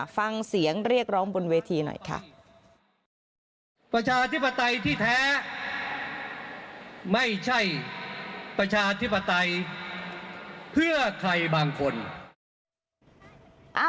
ฟังเสียงเรียกร้องบนเวทีหน่อยค่ะ